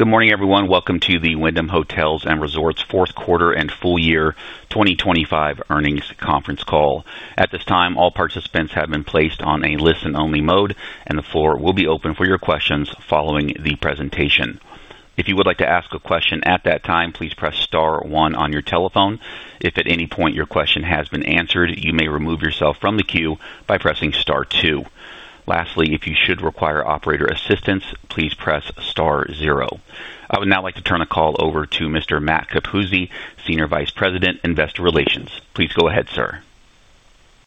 Good morning, everyone. Welcome to the Wyndham Hotels & Resorts fourth quarter and full year 2025 earnings conference call. At this time, all participants have been placed on a listen-only mode, and the floor will be open for your questions following the presentation. If you would like to ask a question at that time, please press star one on your telephone. If at any point your question has been answered, you may remove yourself from the queue by pressing star two. Lastly, if you should require operator assistance, please press star zero. I would now like to turn the call over to Mr. Matt Capuzzi, Senior Vice President, Investor Relations. Please go ahead, sir.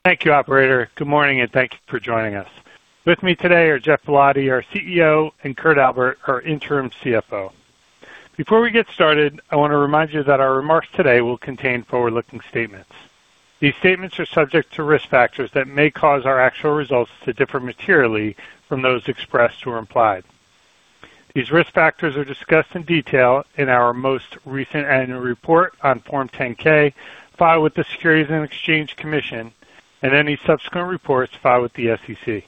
Thank you, operator. Good morning, and thank you for joining us. With me today are Geoff Ballotti, our CEO, and Kurt Albert, our interim CFO. Before we get started, I want to remind you that our remarks today will contain forward-looking statements. These statements are subject to risk factors that may cause our actual results to differ materially from those expressed or implied. These risk factors are discussed in detail in our most recent annual report on Form 10-K, filed with the Securities and Exchange Commission, and any subsequent reports filed with the SEC.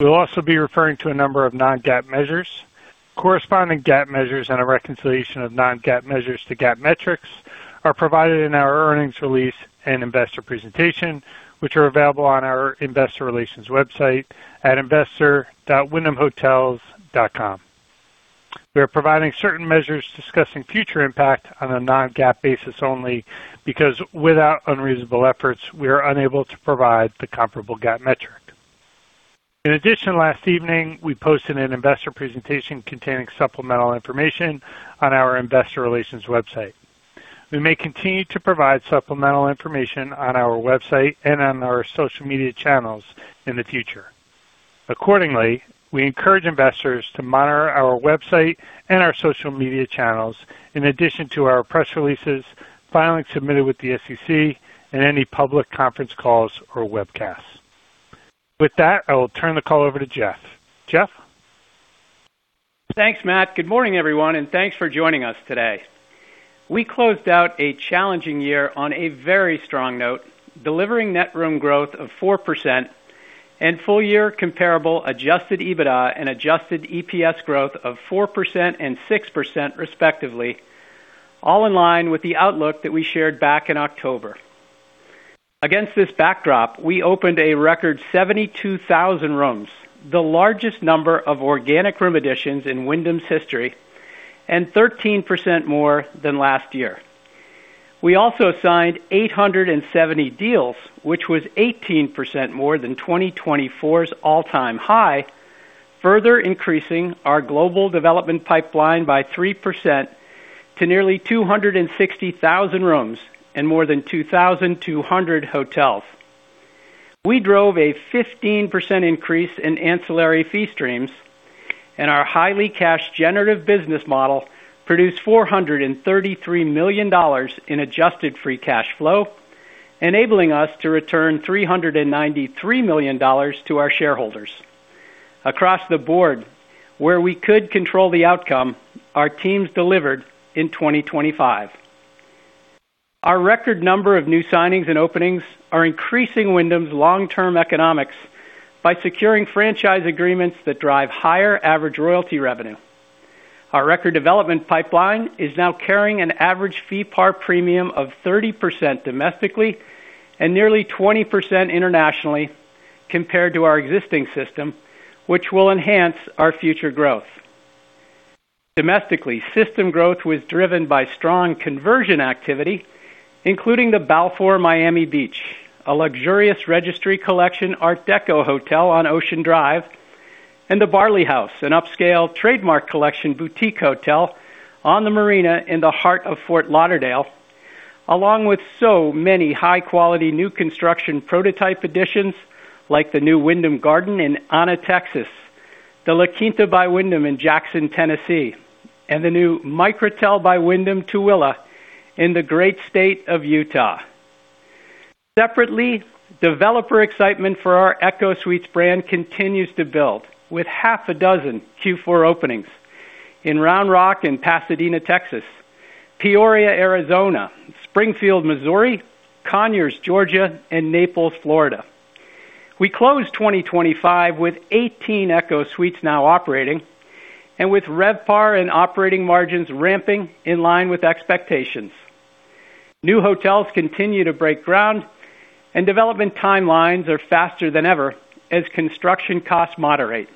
We'll also be referring to a number of non-GAAP measures. Corresponding GAAP measures and a reconciliation of non-GAAP measures to GAAP metrics are provided in our earnings release and investor presentation, which are available on our investor relations website at investor.wyndhamhotels.com. We are providing certain measures discussing future impact on a non-GAAP basis only because without unreasonable efforts, we are unable to provide the comparable GAAP metric. In addition, last evening, we posted an investor presentation containing supplemental information on our investor relations website. We may continue to provide supplemental information on our website and on our social media channels in the future. Accordingly, we encourage investors to monitor our website and our social media channels in addition to our press releases, filings submitted with the SEC, and any public conference calls or webcasts. With that, I will turn the call over to Geoff. Geoff? Thanks, Matt. Good morning, everyone, and thanks for joining us today. We closed out a challenging year on a very strong note, delivering net room growth of 4% and full-year comparable adjusted EBITDA and adjusted EPS growth of 4% and 6%, respectively, all in line with the outlook that we shared back in October. Against this backdrop, we opened a record 72,000 rooms, the largest number of organic room additions in Wyndham's history and 13% more than last year. We also signed 870 deals, which was 18% more than 2024's all-time high, further increasing our global development pipeline by 3% to nearly 260,000 rooms and more than 2,200 hotels. We drove a 15% increase in ancillary fee streams, and our highly cash generative business model produced $433 million in adjusted free cash flow, enabling us to return $393 million to our shareholders. Across the board, where we could control the outcome, our teams delivered in 2025. Our record number of new signings and openings are increasing Wyndham's long-term economics by securing franchise agreements that drive higher average royalty revenue. Our record development pipeline is now carrying an average FeePAR premium of 30% domestically and nearly 20% internationally compared to our existing system, which will enhance our future growth. Domestically, system growth was driven by strong conversion activity, including the Balfour Miami Beach, a luxurious Registry Collection Art Deco hotel on Ocean Drive, and the Barley House, an upscale Trademark Collection boutique hotel on the marina in the heart of Fort Lauderdale, along with so many high-quality new construction prototype additions like the new Wyndham Garden in Anna, Texas, the La Quinta by Wyndham in Jackson, Tennessee, and the new Microtel by Wyndham Tooele in the great state of Utah. Separately, developer excitement for our ECHO Suites brand continues to build, with half a dozen Q4 openings in Round Rock and Pasadena, Texas, Peoria, Arizona, Springfield, Missouri, Conyers, Georgia, and Naples, Florida. We closed 2025 with 18 ECHO Suites now operating and with RevPAR and operating margins ramping in line with expectations. New hotels continue to break ground, and development timelines are faster than ever as construction costs moderate.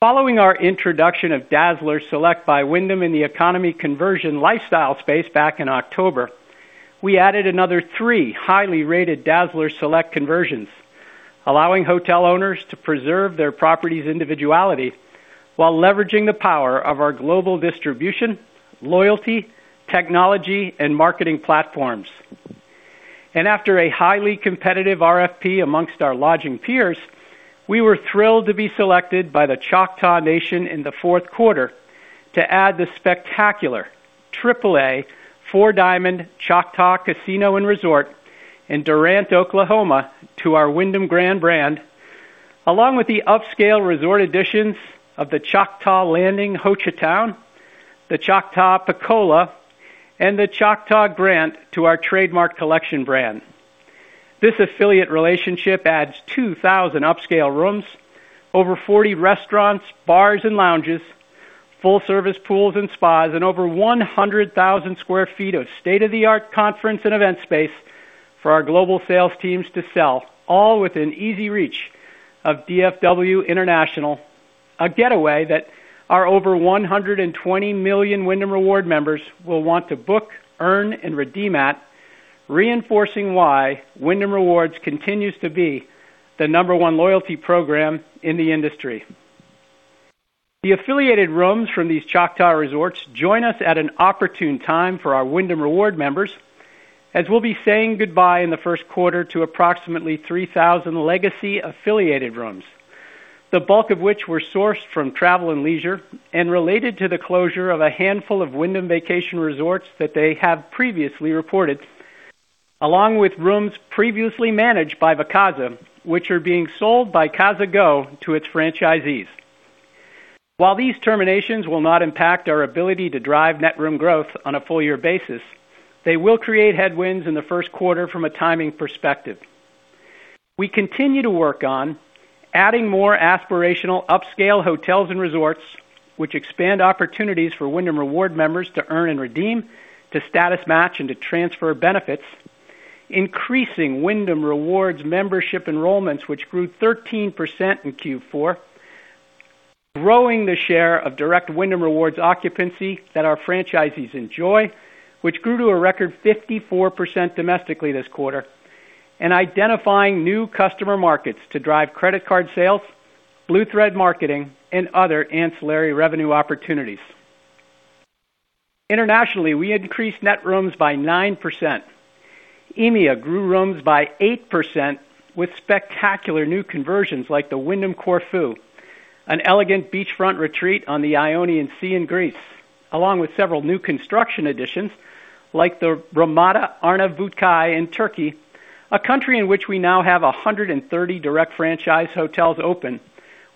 Following our introduction of Dazzler Select by Wyndham in the economy conversion lifestyle space back in October, we added another three highly rated Dazzler Select conversions, allowing hotel owners to preserve their property's individuality while leveraging the power of our global distribution, loyalty, technology, and marketing platforms. After a highly competitive RFP among our lodging peers, we were thrilled to be selected by the Choctaw Nation in the fourth quarter to add the spectacular AAA Four Diamond Choctaw Casino and Resort in Durant, Oklahoma, to our Wyndham Grand brand, along with the upscale resort additions of the Choctaw Landing, Hochatown, the Choctaw Pocola, and the Choctaw Grant to our Trademark Collection brand. This affiliate relationship adds 2,000 upscale rooms, over 40 restaurants, bars and lounges, full service pools and spas, and over 100,000 sq ft of state-of-the-art conference and event space for our global sales teams to sell, all within easy reach of DFW International, a getaway that our over 120 million Wyndham Rewards members will want to book, earn, and redeem at, reinforcing why Wyndham Rewards continues to be the number one loyalty program in the industry. The affiliated rooms from these Choctaw Resorts join us at an opportune time for our Wyndham Rewards members, as we'll be saying goodbye in the first quarter to approximately 3,000 legacy affiliated rooms, the bulk of which were sourced from Travel + Leisure and related to the closure of a handful of Wyndham Vacation Resorts that they have previously reported, along with rooms previously managed by Vacasa, which are being sold by CasaGo to its franchisees. While these terminations will not impact our ability to drive net room growth on a full year basis, they will create headwinds in the first quarter from a timing perspective. We continue to work on adding more aspirational upscale hotels and resorts, which expand opportunities for Wyndham Rewards members to earn and redeem, to status match and to transfer benefits, increasing Wyndham Rewards membership enrollments, which grew 13% in Q4, growing the share of direct Wyndham Rewards occupancy that our franchisees enjoy, which grew to a record 54% domestically this quarter, and identifying new customer markets to drive credit card sales, Blue Thread marketing, and other ancillary revenue opportunities. Internationally, we increased net rooms by 9%. EMEA grew rooms by 8%, with spectacular new conversions like the Wyndham Corfu, an elegant beachfront retreat on the Ionian Sea in Greece, along with several new construction additions like the Ramada Arnavutköy in Turkey, a country in which we now have 130 direct franchise hotels open,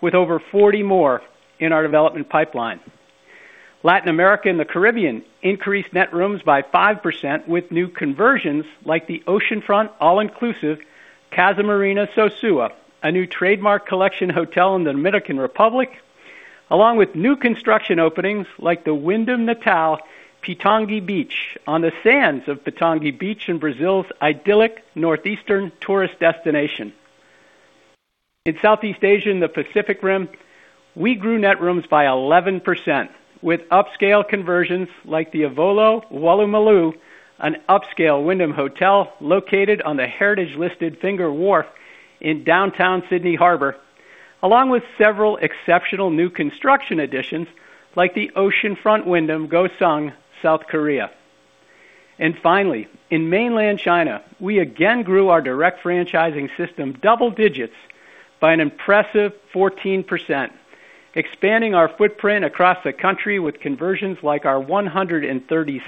with over 40 more in our development pipeline. Latin America and the Caribbean increased net rooms by 5%, with new conversions like the oceanfront, all-inclusive Casa Marina Sosúa, a new Trademark Collection hotel in the Dominican Republic, along with new construction openings like the Wyndham Natal Pitangui Beach, on the sands of Pitangui Beach in Brazil's idyllic northeastern tourist destination. In Southeast Asia and the Pacific Rim, we grew net rooms by 11%, with upscale conversions like the Ovolo Woolloomooloo, an upscale Wyndham hotel located on the heritage-listed Finger Wharf in downtown Sydney Harbor, along with several exceptional new construction additions like the oceanfront Wyndham Goseong, South Korea. And finally, in mainland China, we again grew our direct franchising system double digits by an impressive 14%, expanding our footprint across the country with conversions like our 136th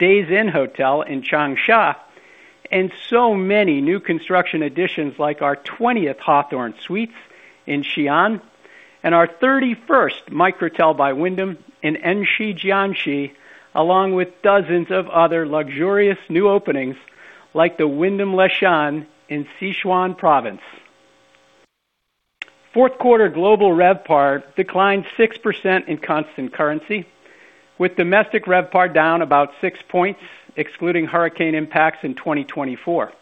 Days Inn hotel in Changsha, and so many new construction additions, like our 20th Hawthorn Suites in Xi'an, and our 31st Microtel by Wyndham in Enshi, Jiangxi, along with dozens of other luxurious new openings, like the Wyndham Leshan in Sichuan Province. Fourth quarter global RevPAR declined 6% in constant currency, with domestic RevPAR down about six points, excluding hurricane impacts in 2024,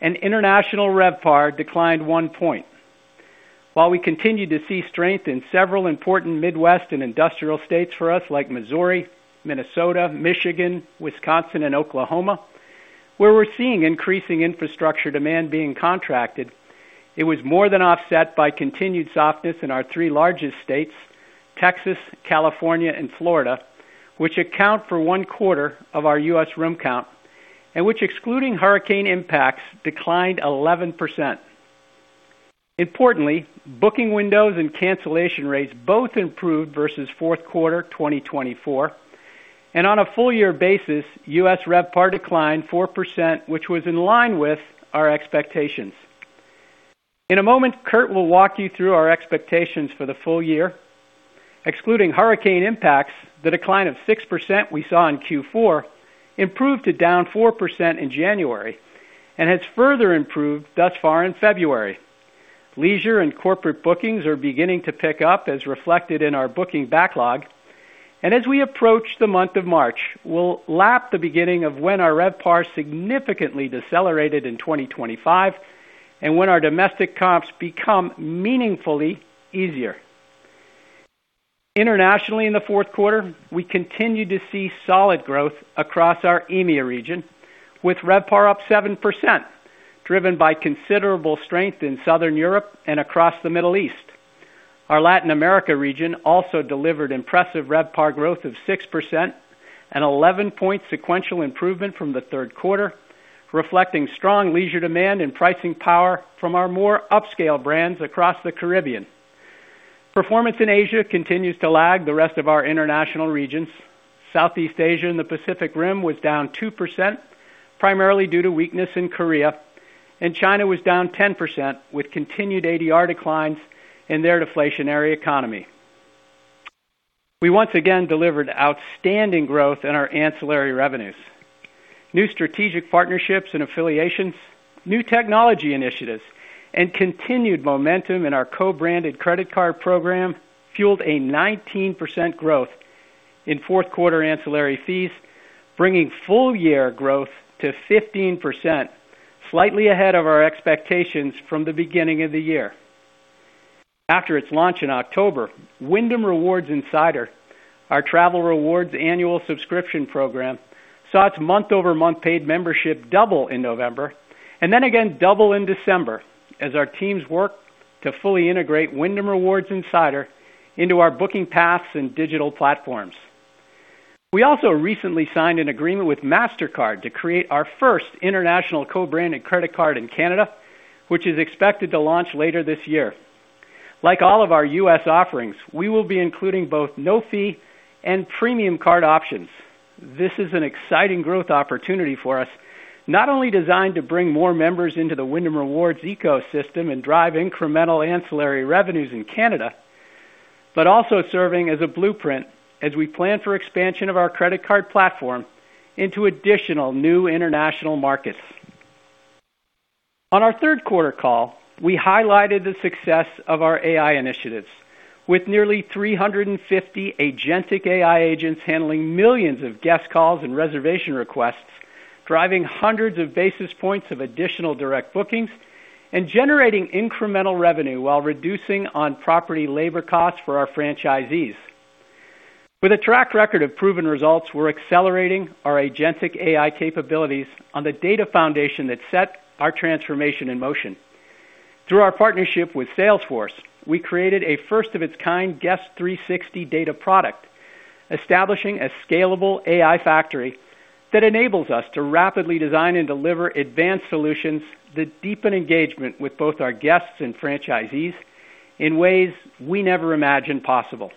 and international RevPAR declined one point. While we continued to see strength in several important Midwest and industrial states for us, like Missouri, Minnesota, Michigan, Wisconsin, and Oklahoma, where we're seeing increasing infrastructure demand being contracted, it was more than offset by continued softness in our three largest states, Texas, California, and Florida, which account for one quarter of our U.S. room count, and which, excluding hurricane impacts, declined 11%. Importantly, booking windows and cancellation rates both improved versus fourth quarter 2024, and on a full year basis, U.S. RevPAR declined 4%, which was in line with our expectations. In a moment, Kurt will walk you through our expectations for the full year. Excluding hurricane impacts, the decline of 6% we saw in Q4 improved to down 4% in January, and has further improved thus far in February. Leisure and corporate bookings are beginning to pick up, as reflected in our booking backlog. As we approach the month of March, we'll lap the beginning of when our RevPAR significantly decelerated in 2025 and when our domestic comps become meaningfully easier. Internationally, in the fourth quarter, we continued to see solid growth across our EMEA region, with RevPAR up 7%, driven by considerable strength in Southern Europe and across the Middle East. Our Latin America region also delivered impressive RevPAR growth of 6% and 11-point sequential improvement from the third quarter, reflecting strong leisure demand and pricing power from our more upscale brands across the Caribbean. Performance in Asia continues to lag the rest of our international regions. Southeast Asia and the Pacific Rim was down 2%, primarily due to weakness in Korea, and China was down 10%, with continued ADR declines in their deflationary economy. We once again delivered outstanding growth in our ancillary revenues. New strategic partnerships and affiliations, new technology initiatives, and continued momentum in our co-branded credit card program fueled a 19% growth in fourth quarter ancillary fees, bringing full year growth to 15%, slightly ahead of our expectations from the beginning of the year. After its launch in October, Wyndham Rewards Insider, our travel rewards annual subscription program, saw its month-over-month paid membership double in November, and then again double in December as our teams worked to fully integrate Wyndham Rewards Insider into our booking paths and digital platforms. We also recently signed an agreement with Mastercard to create our first international co-branded credit card in Canada, which is expected to launch later this year. Like all of our U.S. offerings, we will be including both no-fee and premium card options. This is an exciting growth opportunity for us, not only designed to bring more members into the Wyndham Rewards ecosystem and drive incremental ancillary revenues in Canada, but also serving as a blueprint as we plan for expansion of our credit card platform into additional new international markets. On our third quarter call, we highlighted the success of our AI initiatives, with nearly 350 agentic AI agents handling millions of guest calls and reservation requests, driving hundreds of basis points of additional direct bookings and generating incremental revenue while reducing on-property labor costs for our franchisees. With a track record of proven results, we're accelerating our Agentic AI capabilities on the data foundation that set our transformation in motion. Through our partnership with Salesforce, we created a first of its kind Guest360 data product, establishing a scalable AI factory that enables us to rapidly design and deliver advanced solutions that deepen engagement with both our guests and franchisees in ways we never imagined possible.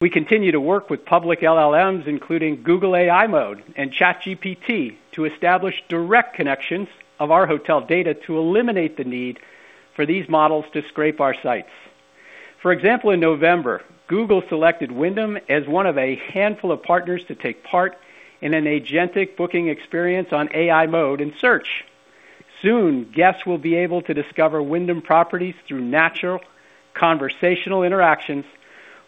We continue to work with public LLMs, including Google AI Mode and ChatGPT, to establish direct connections of our hotel data to eliminate the need for these models to scrape our sites. For example, in November, Google selected Wyndham as one of a handful of partners to take part in an Agentic booking experience on AI Mode in Search. Soon, guests will be able to discover Wyndham properties through natural conversational interactions,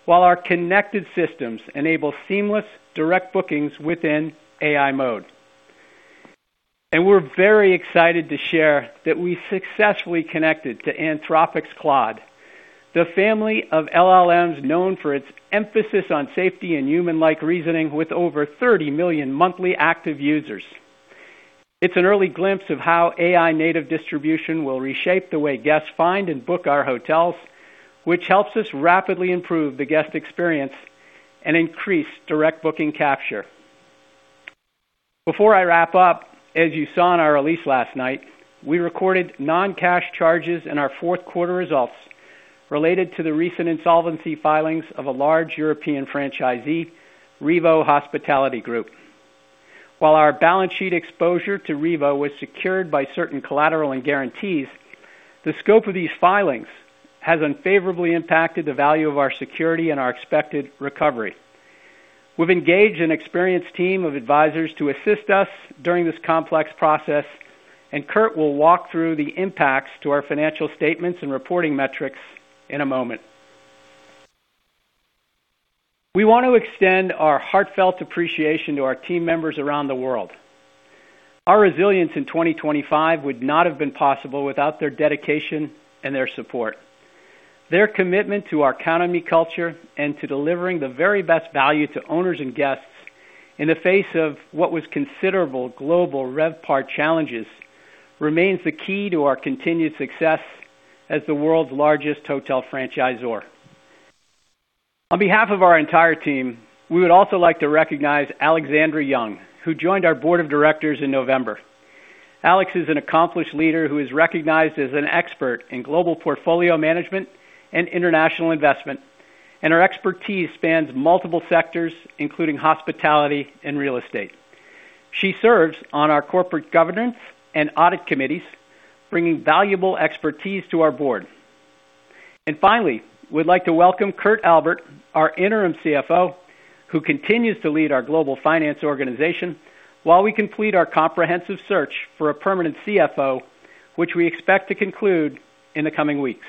while our connected systems enable seamless direct bookings within AI mode. We're very excited to share that we successfully connected to Anthropic's Claude, the family of LLMs known for its emphasis on safety and human-like reasoning, with over 30 million monthly active users. It's an early glimpse of how AI native distribution will reshape the way guests find and book our hotels, which helps us rapidly improve the guest experience and increase direct booking capture. Before I wrap up, as you saw in our release last night, we recorded non-cash charges in our fourth quarter results related to the recent insolvency filings of a large European franchisee, Revo Hospitality Group. While our balance sheet exposure to Revo was secured by certain collateral and guarantees, the scope of these filings has unfavorably impacted the value of our security and our expected recovery. We've engaged an experienced team of advisors to assist us during this complex process, and Kurt will walk through the impacts to our financial statements and reporting metrics in a moment. We want to extend our heartfelt appreciation to our team members around the world. Our resilience in 2025 would not have been possible without their dedication and their support. Their commitment to our company culture and to delivering the very best value to owners and guests in the face of what was considerable global RevPAR challenges remains the key to our continued success as the world's largest hotel franchisor. On behalf of our entire team, we would also like to recognize Alexandra A. Jung, who joined our board of directors in November. Alex is an accomplished leader who is recognized as an expert in global portfolio management and international investment, and her expertise spans multiple sectors, including hospitality and real estate. She serves on our corporate governance and audit committees, bringing valuable expertise to our board. Finally, we'd like to welcome Kurt Albert, our interim CFO, who continues to lead our global finance organization while we complete our comprehensive search for a permanent CFO, which we expect to conclude in the coming weeks.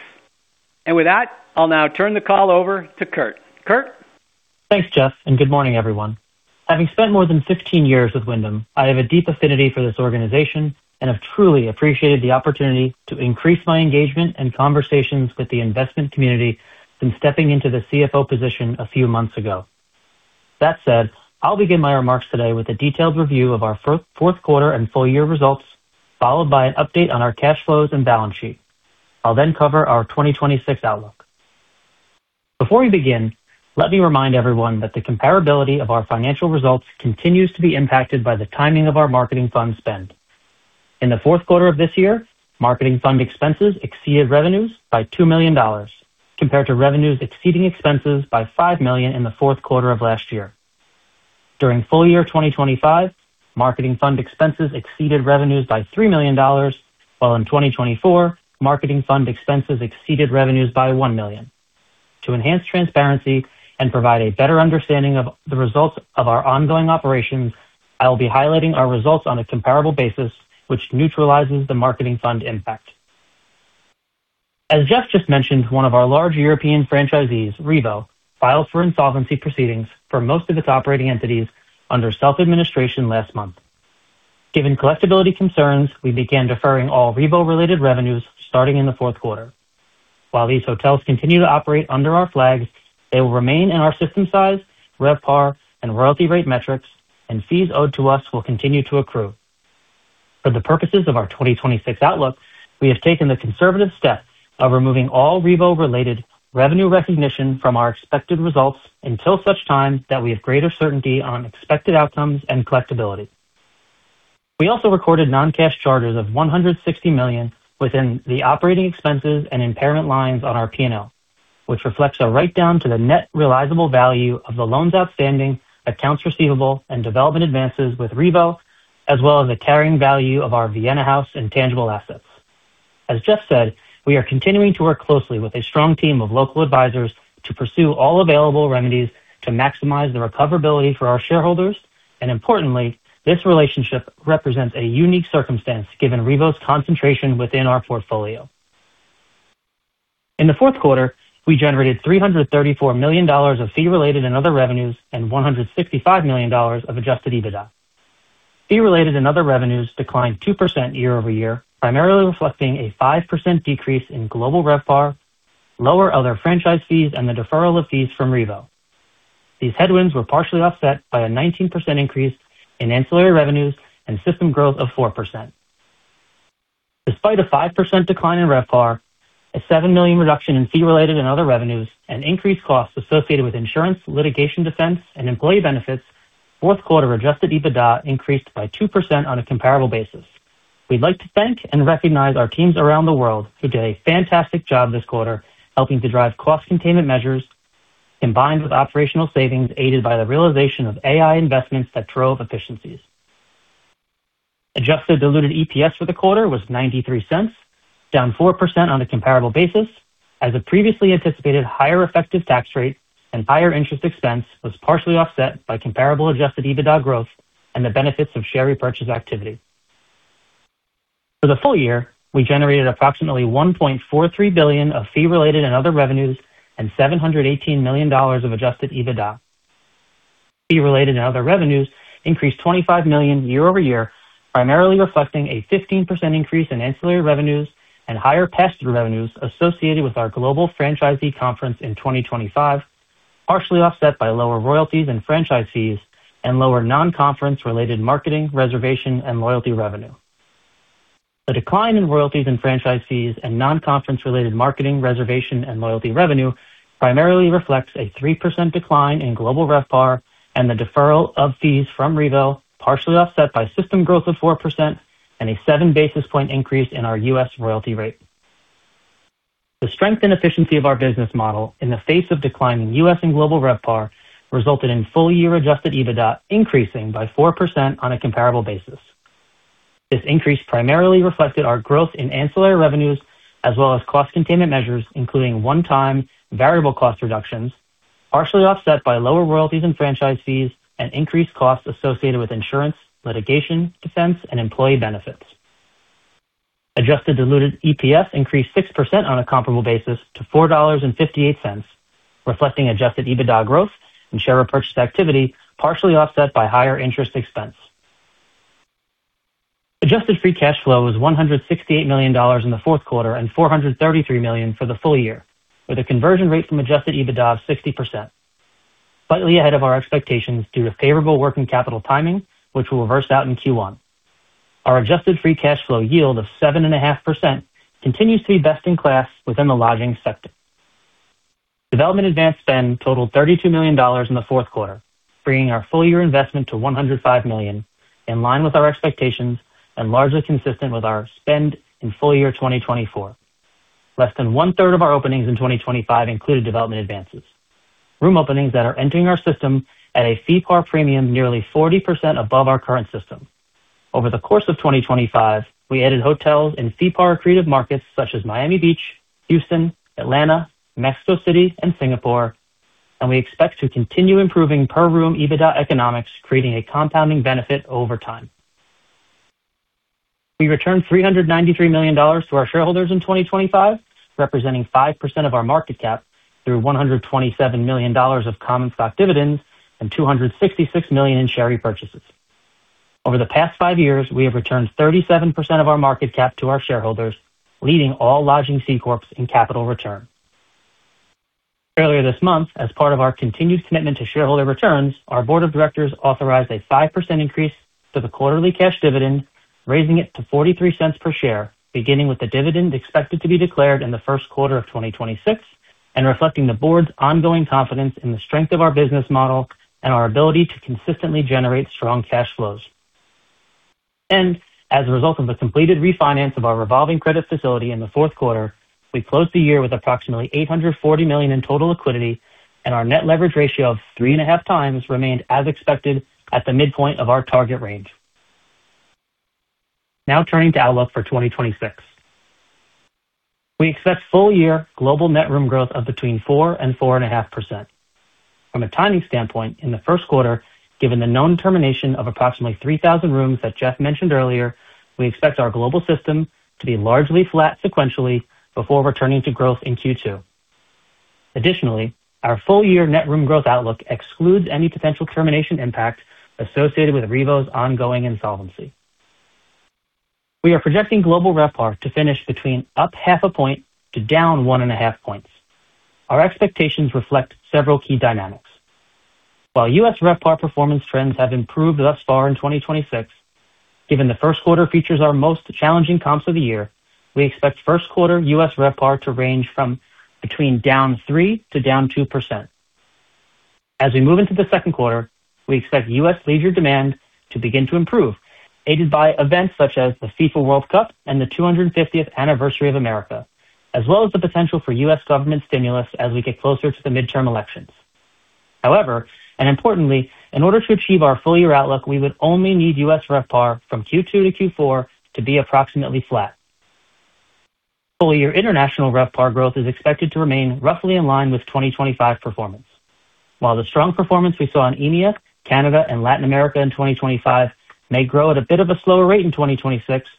With that, I'll now turn the call over to Kurt. Kurt? Thanks, Geoff, and good morning, everyone. Having spent more than 15 years with Wyndham, I have a deep affinity for this organization and have truly appreciated the opportunity to increase my engagement and conversations with the investment community since stepping into the CFO position a few months ago. That said, I'll begin my remarks today with a detailed review of our fourth quarter and full year results, followed by an update on our cash flows and balance sheet. I'll then cover our 2026 outlook. Before we begin, let me remind everyone that the comparability of our financial results continues to be impacted by the timing of our marketing fund spend. In the fourth quarter of this year, marketing fund expenses exceeded revenues by $2 million, compared to revenues exceeding expenses by $5 million in the fourth quarter of last year. During full year 2025, marketing fund expenses exceeded revenues by $3 million, while in 2024, marketing fund expenses exceeded revenues by $1 million. To enhance transparency and provide a better understanding of the results of our ongoing operations, I will be highlighting our results on a comparable basis, which neutralizes the marketing fund impact. As Geoff just mentioned, one of our large European franchisees, Revo, filed for insolvency proceedings for most of its operating entities under self-administration last month. Given collectibility concerns, we began deferring all Revo-related revenues starting in the fourth quarter. While these hotels continue to operate under our flags, they will remain in our system size, RevPAR, and royalty rate metrics, and fees owed to us will continue to accrue. For the purposes of our 2026 outlook, we have taken the conservative step of removing all Revo-related revenue recognition from our expected results until such time that we have greater certainty on expected outcomes and collectibility. We also recorded non-cash charges of $160 million within the operating expenses and impairment lines on our P&L, which reflects a write-down to the net realizable value of the loans, outstanding accounts receivable, and development advances with Revo, as well as the carrying value of our Vienna House and tangible assets. As Geoff said, we are continuing to work closely with a strong team of local advisors to pursue all available remedies to maximize the recoverability for our shareholders, and importantly, this relationship represents a unique circumstance given Revo's concentration within our portfolio. In the fourth quarter, we generated $334 million of fee-related and other revenues, and $165 million of Adjusted EBITDA. Fee-related and other revenues declined 2% year-over-year, primarily reflecting a 5% decrease in global RevPAR, lower other franchise fees, and the deferral of fees from Revo. These headwinds were partially offset by a 19% increase in ancillary revenues and system growth of 4%. Despite a 5% decline in RevPAR, a $7 million reduction in fee-related and other revenues, and increased costs associated with insurance, litigation, defense, and employee benefits, fourth quarter Adjusted EBITDA increased by 2% on a comparable basis. We'd like to thank and recognize our teams around the world who did a fantastic job this quarter, helping to drive cost containment measures, combined with operational savings, aided by the realization of AI investments that drove efficiencies. Adjusted diluted EPS for the quarter was $0.93, down 4% on a comparable basis, as a previously anticipated higher effective tax rate and higher interest expense was partially offset by comparable Adjusted EBITDA growth and the benefits of share repurchase activity. For the full year, we generated approximately $1.43 billion of fee-related and other revenues, and $718 million of Adjusted EBITDA. Fee-related and other revenues increased $25 million year-over-year, primarily reflecting a 15% increase in ancillary revenues and higher past revenues associated with our Global Franchisee Conference in 2025, partially offset by lower royalties and franchise fees and lower non-conference related marketing, reservation, and loyalty revenue. The decline in royalties and franchise fees and non-conference related marketing, reservation, and loyalty revenue primarily reflects a 3% decline in global RevPAR and the deferral of fees from Revo, partially offset by system growth of 4% and a 7 basis points increase in our U.S. royalty rate. The strength and efficiency of our business model in the face of declining U.S. and global RevPAR, resulted in full year Adjusted EBITDA, increasing by 4% on a comparable basis. This increase primarily reflected our growth in ancillary revenues, as well as cost containment measures, including one-time variable cost reductions, partially offset by lower royalties and franchise fees, and increased costs associated with insurance, litigation, defense, and employee benefits. Adjusted diluted EPS increased 6% on a comparable basis to $4.58, reflecting Adjusted EBITDA growth and share repurchase activity, partially offset by higher interest expense. Adjusted free cash flow was $168 million in the fourth quarter and $433 million for the full year, with a conversion rate from Adjusted EBITDA of 60%, slightly ahead of our expectations due to favorable working capital timing, which will reverse out in Q1. Our adjusted free cash flow yield of 7.5% continues to be best in class within the lodging sector. Development advanced spend totaled $32 million in the fourth quarter, bringing our full-year investment to $105 million, in line with our expectations and largely consistent with our spend in full-year 2024. Less than one-third of our openings in 2025 included development advances. Room openings that are entering our system at a FeePAR premium, nearly 40% above our current system. Over the course of 2025, we added hotels in FeePAR accretive markets such as Miami Beach, Houston, Atlanta, Mexico City, and Singapore, and we expect to continue improving per room EBITDA economics, creating a compounding benefit over time. We returned $393 million to our shareholders in 2025, representing 5% of our market cap through $127 million of common stock dividends and $266 million in share repurchases. Over the past five years, we have returned 37% of our market cap to our shareholders, leading all lodging C corps in capital return. Earlier this month, as part of our continued commitment to shareholder returns, our board of directors authorized a 5% increase to the quarterly cash dividend, raising it to $0.43 per share, beginning with the dividend expected to be declared in the first quarter of 2026, and reflecting the board's ongoing confidence in the strength of our business model and our ability to consistently generate strong cash flows.... As a result of the completed refinance of our revolving credit facility in the fourth quarter, we closed the year with approximately $840 million in total liquidity, and our net leverage ratio of 3.5x remained as expected, at the midpoint of our target range. Now turning to outlook for 2026. We expect full year global net room growth of between 4%-4.5%. From a timing standpoint, in the first quarter, given the known termination of approximately 3,000 rooms that Geoff mentioned earlier, we expect our global system to be largely flat sequentially before returning to growth in Q2. Additionally, our full year net room growth outlook excludes any potential termination impact associated with Revo's ongoing insolvency. We are projecting global RevPAR to finish between +0.5 point to -1.5 points. Our expectations reflect several key dynamics. While U.S. RevPAR performance trends have improved thus far in 2026, given the first quarter features our most challenging comps of the year, we expect first quarter U.S. RevPAR to range from between -3% to -2%. As we move into the second quarter, we expect U.S. leisure demand to begin to improve, aided by events such as the FIFA World Cup and the 250th anniversary of America, as well as the potential for U.S. government stimulus as we get closer to the midterm elections. However, and importantly, in order to achieve our full year outlook, we would only need U.S. RevPAR from Q2 to Q4 to be approximately flat. Full year international RevPAR growth is expected to remain roughly in line with 2025 performance. While the strong performance we saw in EMEA, Canada, and Latin America in 2025 may grow at a bit of a slower rate in 2026,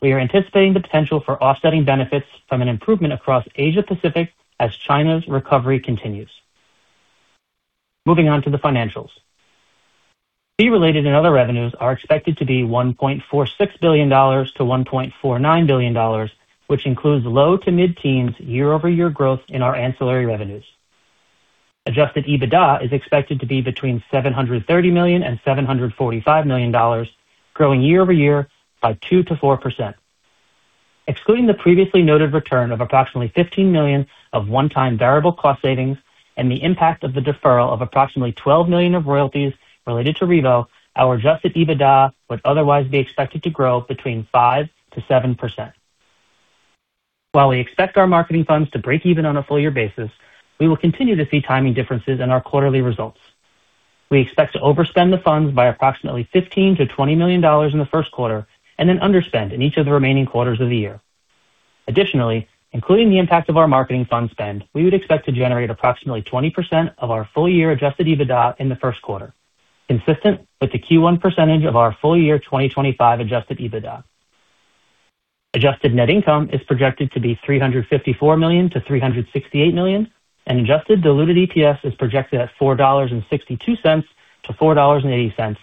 we are anticipating the potential for offsetting benefits from an improvement across Asia Pacific as China's recovery continues. Moving on to the financials. Fee-related and other revenues are expected to be $1.46 billion-$1.49 billion, which includes low- to mid-teens year-over-year growth in our ancillary revenues. Adjusted EBITDA is expected to be between $730 million and $745 million, growing year-over-year by 2%-4%. Excluding the previously noted return of approximately $15 million of one-time variable cost savings and the impact of the deferral of approximately $12 million of royalties related to Revo, our Adjusted EBITDA would otherwise be expected to grow between 5%-7%. While we expect our marketing funds to break even on a full year basis, we will continue to see timing differences in our quarterly results. We expect to overspend the funds by approximately $15-$20 million in the first quarter and then underspend in each of the remaining quarters of the year. Additionally, including the impact of our marketing fund spend, we would expect to generate approximately 20% of our full year Adjusted EBITDA in the first quarter, consistent with the Q1 percentage of our full year 2025 Adjusted EBITDA. Adjusted net income is projected to be $354 million-$368 million, and adjusted diluted EPS is projected at $4.62-$4.80,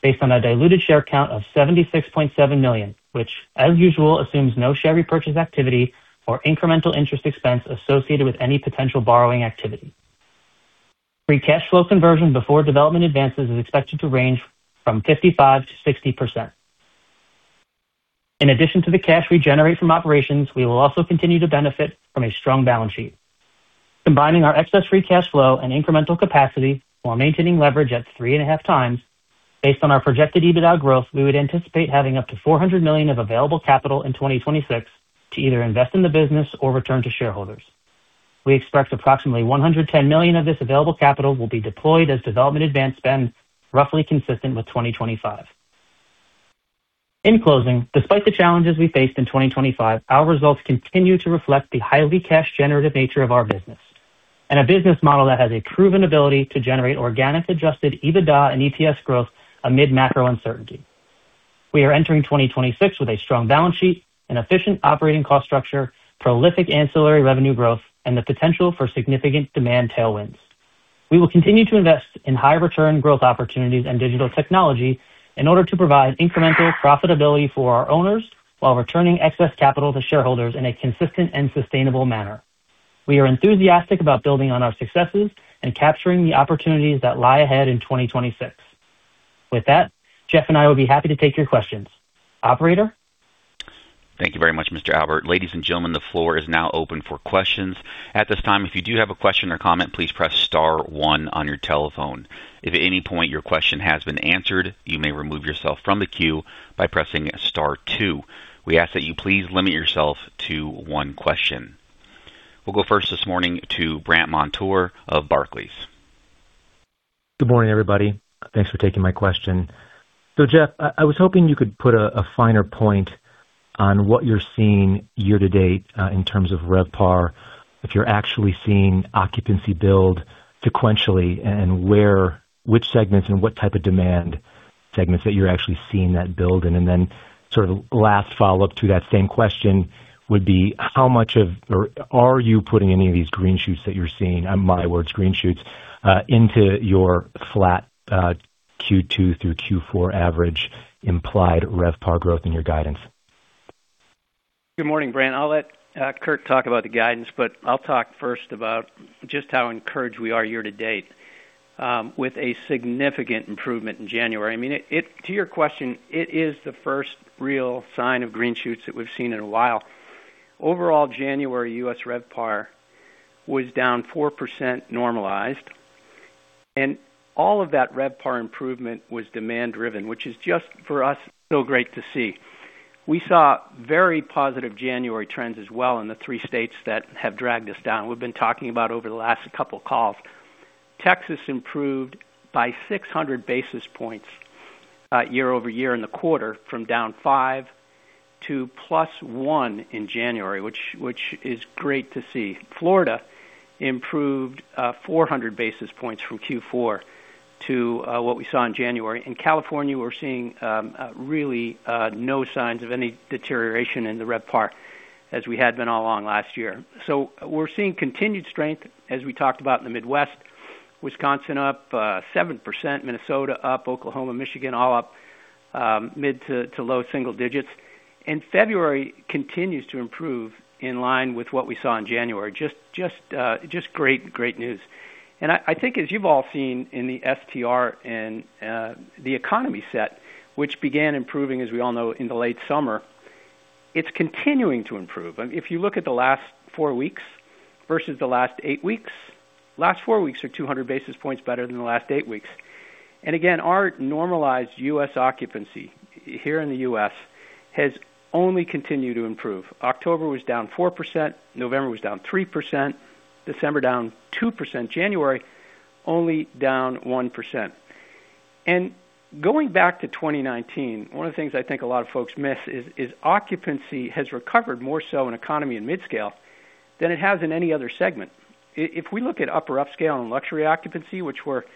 based on a diluted share count of 76.7 million, which, as usual, assumes no share repurchase activity or incremental interest expense associated with any potential borrowing activity. Free cash flow conversion before development advances is expected to range from 55%-60%. In addition to the cash we generate from operations, we will also continue to benefit from a strong balance sheet. Combining our excess free cash flow and incremental capacity while maintaining leverage at 3.5x, based on our projected EBITDA growth, we would anticipate having up to $400 million of available capital in 2026 to either invest in the business or return to shareholders. We expect approximately $110 million of this available capital will be deployed as development advance spend, roughly consistent with 2025. In closing, despite the challenges we faced in 2025, our results continue to reflect the highly cash generative nature of our business and a business model that has a proven ability to generate organic, Adjusted EBITDA and EPS growth amid macro uncertainty. We are entering 2026 with a strong balance sheet, an efficient operating cost structure, prolific ancillary revenue growth, and the potential for significant demand tailwinds. We will continue to invest in high return growth opportunities and digital technology in order to provide incremental profitability for our owners while returning excess capital to shareholders in a consistent and sustainable manner. We are enthusiastic about building on our successes and capturing the opportunities that lie ahead in 2026. With that, Geoff and I will be happy to take your questions. Operator? Thank you very much, Mr. Albert. Ladies and gentlemen, the floor is now open for questions. At this time, if you do have a question or comment, please press star one on your telephone. If at any point your question has been answered, you may remove yourself from the queue by pressing star two. We ask that you please limit yourself to one question. We'll go first this morning to Brandt Montour of Barclays. Good morning, everybody. Thanks for taking my question. So, Geoff, I was hoping you could put a finer point on what you're seeing year to date in terms of RevPAR, if you're actually seeing occupancy build sequentially, and which segments and what type of demand segments that you're actually seeing that build in? And then sort of last follow-up to that same question would be: How much of or are you putting any of these green shoots that you're seeing, my words, green shoots, into your flat Q2 through Q4 average implied RevPAR growth in your guidance? Good morning, Brant. I'll let Kurt talk about the guidance, but I'll talk first about just how encouraged we are year to date with a significant improvement in January. I mean, to your question, it is the first real sign of green shoots that we've seen in a while. Overall, January U.S. RevPAR was down 4% normalized. And all of that RevPAR improvement was demand-driven, which is just, for us, so great to see. We saw very positive January trends as well in the three states that have dragged us down. We've been talking about over the last couple of calls. Texas improved by 600 basis points year-over-year in the quarter, from down 5% to +1% in January, which is great to see. Florida improved 400 basis points from Q4 to what we saw in January. In California, we're seeing really no signs of any deterioration in the RevPAR as we had been all along last year. So we're seeing continued strength as we talked about in the Midwest, Wisconsin, up 7%, Minnesota up, Oklahoma, Michigan, all up mid- to low-single digits. And February continues to improve in line with what we saw in January. Just great news. And I think, as you've all seen in the FTR and the economy set, which began improving, as we all know, in the late summer, it's continuing to improve. I mean, if you look at the last four weeks versus the last eight weeks, last four weeks are 200 basis points better than the last eight weeks. And again, our normalized U.S. occupancy here in the U.S. has only continued to improve. October was down 4%, November was down 3%, December down 2%, January only down 1%. Going back to 2019, one of the things I think a lot of folks miss is occupancy has recovered more so in economy and midscale than it has in any other segment. If we look at upper upscale and luxury occupancy, which were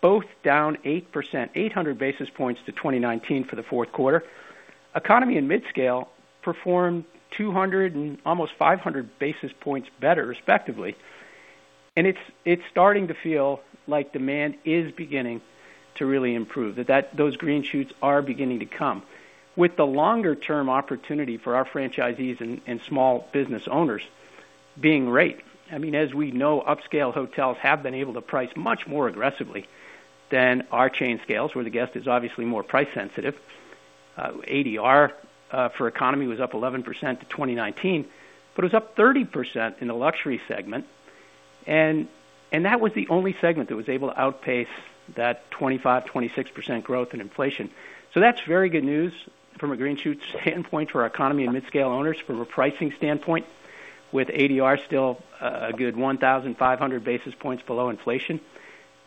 both down 8%, 800 basis points to 2019 for the fourth quarter, economy and midscale performed 200 and almost 500 basis points better, respectively. It's starting to feel like demand is beginning to really improve, that those green shoots are beginning to come. With the longer-term opportunity for our franchisees and small business owners being great. I mean, as we know, upscale hotels have been able to price much more aggressively than our chain scales, where the guest is obviously more price sensitive. ADR for economy was up 11% to 2019, but it was up 30% in the luxury segment, and that was the only segment that was able to outpace that 25%-26% growth in inflation. So that's very good news from a green shoots standpoint for our economy and midscale owners from a pricing standpoint, with ADR still a good 1,500 basis points below inflation.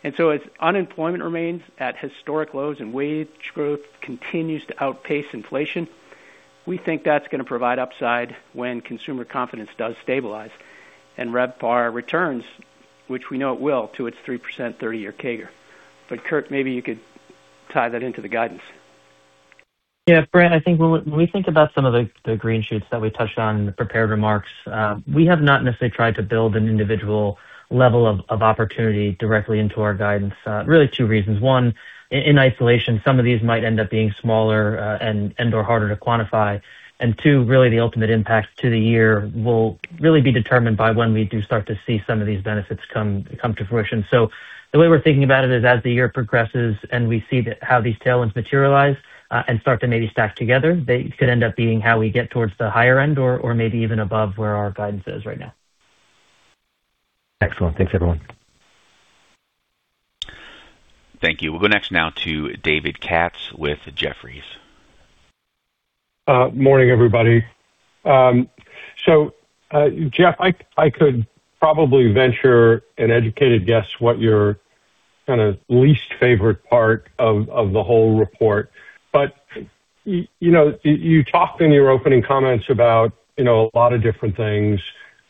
And so as unemployment remains at historic lows and wage growth continues to outpace inflation, we think that's gonna provide upside when consumer confidence does stabilize and RevPAR returns, which we know it will, to its 3% 30-year CAGR. Kurt, maybe you could tie that into the guidance. Yeah, Brad, I think when we think about some of the green shoots that we touched on in the prepared remarks, we have not necessarily tried to build an individual level of opportunity directly into our guidance. Really two reasons: One, in isolation, some of these might end up being smaller, and/or harder to quantify. And two, really, the ultimate impact to the year will really be determined by when we do start to see some of these benefits come to fruition. So the way we're thinking about it is as the year progresses and we see how these tailwinds materialize, and start to maybe stack together, they could end up being how we get towards the higher end or maybe even above where our guidance is right now. Excellent. Thanks, everyone. Thank you. We'll go next now to David Katz with Jefferies. Morning, everybody. So, Geoff, I could probably venture an educated guess what your kinda least favorite part of the whole report, but, you know, you talked in your opening comments about, you know, a lot of different things,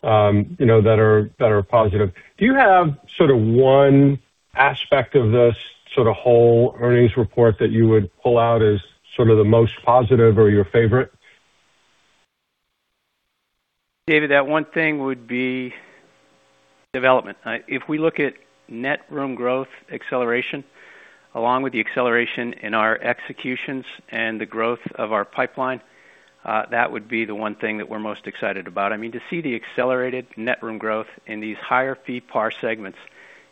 you know, that are positive. Do you have sort of one aspect of this sort of whole earnings report that you would pull out as sort of the most positive or your favorite? David, that one thing would be development. If we look at net room growth acceleration, along with the acceleration in our executions and the growth of our pipeline, that would be the one thing that we're most excited about. I mean, to see the accelerated net room growth in these higher FeePAR segments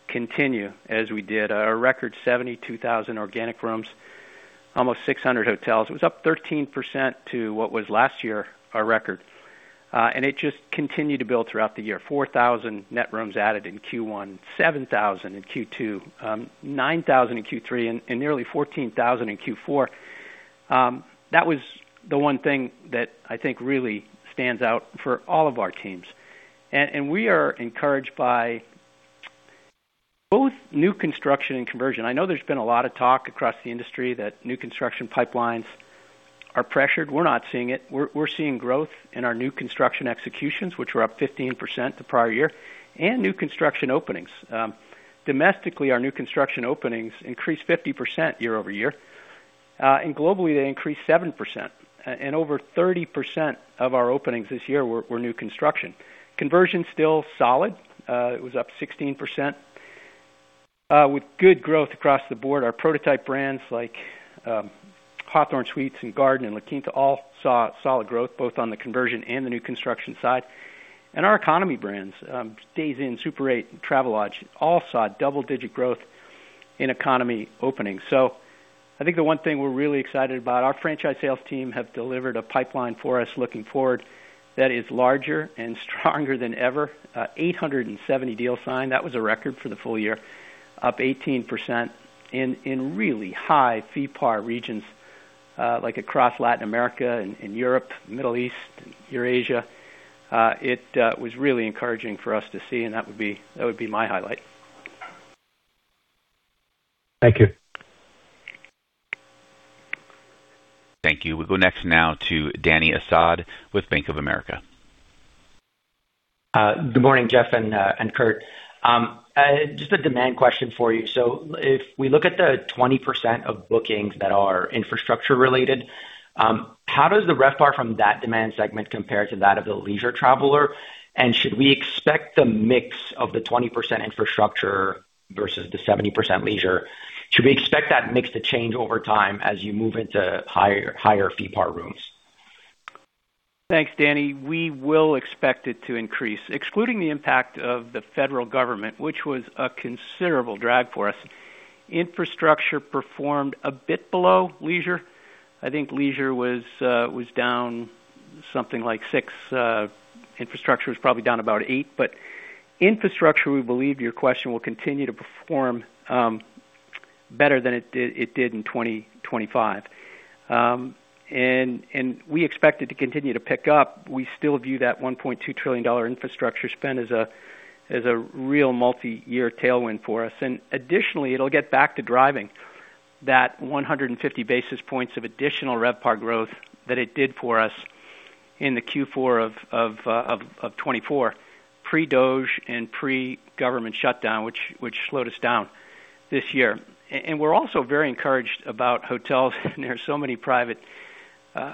continue as we did, our record 72,000 organic rooms, almost 600 hotels. It was up 13% to what was last year, our record. And it just continued to build throughout the year, 4,000 net rooms added in Q1, 7,000 in Q2, 9,000 in Q3, and nearly 14,000 in Q4. That was the one thing that I think really stands out for all of our teams. And we are encouraged by both new construction and conversion. I know there's been a lot of talk across the industry that new construction pipelines are pressured. We're not seeing it. We're seeing growth in our new construction executions, which were up 15% the prior year, and new construction openings. Domestically, our new construction openings increased 50% year-over-year. And globally, they increased 7%, and over 30% of our openings this year were new construction. Conversion, still solid. It was up 16%, with good growth across the board. Our prototype brands like Hawthorn Suites and Garden and La Quinta all saw solid growth, both on the conversion and the new construction side. And our economy brands, Days Inn, Super 8, Travelodge, all saw double-digit growth in economy openings. So-... I think the one thing we're really excited about, our franchise sales team have delivered a pipeline for us looking forward that is larger and stronger than ever. 870 deals signed. That was a record for the full year, up 18% in really high FeePAR regions, like across Latin America and Europe, Middle East, Eurasia. It was really encouraging for us to see, and that would be, that would be my highlight. Thank you. Thank you. We go next now to Dany Asad with Bank of America. Good morning, Geoff and Kurt. Just a demand question for you. So if we look at the 20% of bookings that are infrastructure related, how does the RevPAR from that demand segment compare to that of the leisure traveler? And should we expect the mix of the 20% infrastructure versus the 70% leisure, should we expect that mix to change over time as you move into higher, higher FeePAR rooms? Thanks, Danny. We will expect it to increase. Excluding the impact of the federal government, which was a considerable drag for us, infrastructure performed a bit below leisure. I think leisure was down something like six, infrastructure was probably down about 8. But infrastructure, we believe, your question, will continue to perform better than it did in 2025. And we expect it to continue to pick up. We still view that $1.2 trillion infrastructure spend as a real multi-year tailwind for us. And additionally, it'll get back to driving that 150 basis points of additional RevPAR growth that it did for us in the Q4 of 2024, pre-DOGE and pre-government shutdown, which slowed us down this year. And we're also very encouraged about hotels. There are so many private